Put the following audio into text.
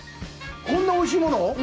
こんなおいしいものを？